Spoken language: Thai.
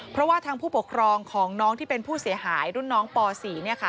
เพราะว่าทางผู้ปกครองของน้องที่เป็นผู้เสียหายรุ่นน้องป๔